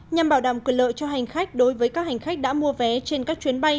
nhằm bảo đảm quyền lợi cho hành khách đối với các hành khách đã mua vé trên các chuyến bay